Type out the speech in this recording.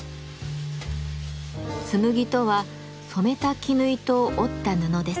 紬とは染めた絹糸を織った布です。